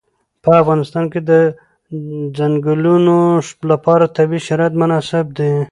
په افغانستان کې د چنګلونه لپاره طبیعي شرایط مناسب دي.